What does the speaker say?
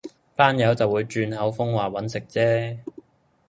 班友就會轉口風話搵食啫